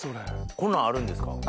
こんなんあるんですか？